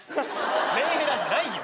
メンヘラじゃないよ。